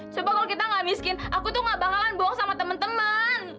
coba kalo kita gak miskin aku tuh gak bakalan bohong sama temen temen